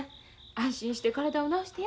安心して体を治してや。